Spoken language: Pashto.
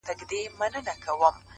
ملنگ خو دي وڅنگ ته پرېږده-